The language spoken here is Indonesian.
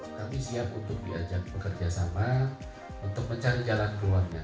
kami siap untuk diajak bekerja sama untuk mencari jalan keluarnya